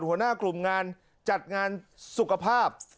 หัวหน้ากลุ่มงานจัดงานสุขภาพ